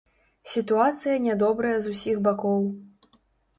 Сітуацыя нядобрая з усіх бакоў.